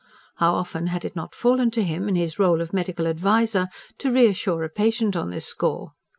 How often had it not fallen to him, in his role of medical adviser, to reassure a patient on this score.